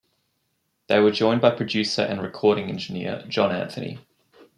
They were joined by producer and recording engineer John Anthony.